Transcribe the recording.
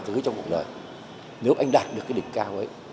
thứ trong một lời nếu anh đạt được cái đỉnh cao ấy